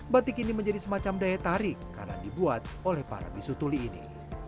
batik ini menjadi semacam daya tarik karena dibuat oleh para bisu tuli ini